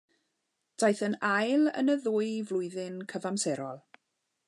Daeth yn ail yn y ddwy flwyddyn gyfamserol.